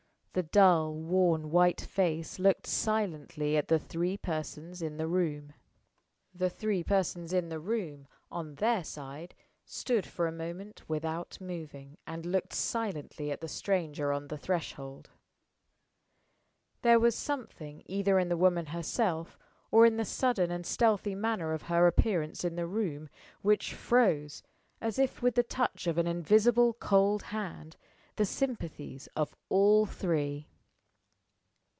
The dull, worn, white face looked silently at the three persons in the room. The three persons in the room, on their side, stood for a moment without moving, and looked silently at the stranger on the threshold. There was something either in the woman herself, or in the sudden and stealthy manner of her appearance in the room, which froze, as if with the touch of an invisible cold hand, the sympathies of all three.